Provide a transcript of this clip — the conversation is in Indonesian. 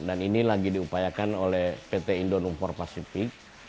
dan ini lagi diupayakan oleh pt indonung empat pacific